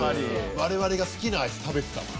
我々が好きなアイス食べてたから。